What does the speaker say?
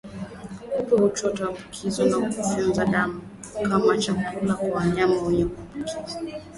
Kupe huchota maambuki kwa kufyonza damu kama chakula kwa mnyama mwenye maambukizi